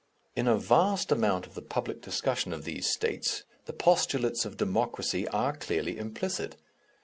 In a vast amount of the public discussion of these States, the postulates of Democracy are clearly implicit.